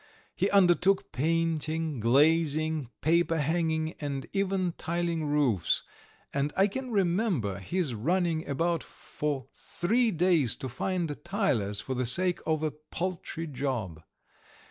He undertook painting, glazing, paperhanging, and even tiling roofs, and I can remember his running about for three days to find tilers for the sake of a paltry job.